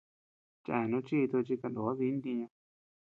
Cheanú chi tochi kanó dii ntiñu.